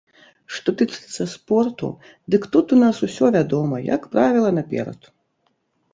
Што тычыцца спорту, дык тут у нас усё вядома, як правіла, наперад.